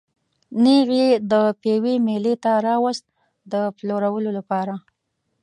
نېغ یې د پېوې مېلې ته راوست د پلورلو لپاره.